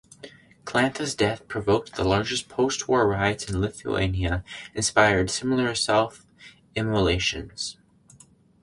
Kalanta's death provoked the largest post-war riots in Lithuania and inspired similar self-immolations.